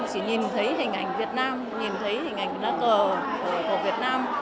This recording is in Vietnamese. chỉ nhìn thấy hình ảnh việt nam nhìn thấy hình ảnh đá cờ của việt nam